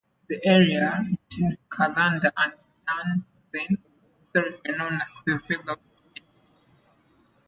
The area between Callander and Dunblane was historically known as the Vale of Menteith.